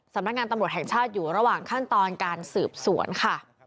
สำนักงานตำรวจแห่งชาติอยู่ระหว่างขั้นตอนการสืบสวนค่ะ